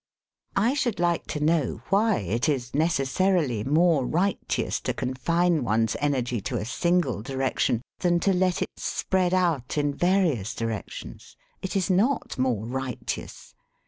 '*I should like to know why it is necessarily 62 SELF AND SELF MANAGEMENT more righteous to confine one's energy to a single direction than to let it spread out in varioas di rections. It is not more righteous.